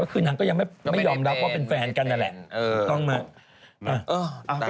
คือนางก็ยังไม่ยอมรับว่าเป็นแฟนกันนี่แหละต้องมายังไง